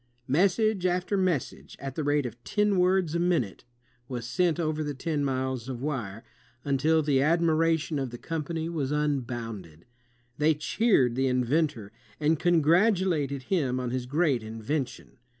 Message after message, at the rate of ten words a minute, was sent over the ten miles of wire, until the admiration of the company was unbounded. They cheered the in ventor and congratulated him on his great invention.